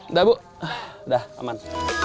udah bu udah aman